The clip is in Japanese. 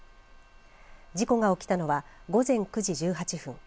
事故が起きたのは午前９時１８分